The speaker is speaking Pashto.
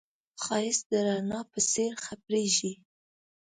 ښایست د رڼا په څېر خپرېږي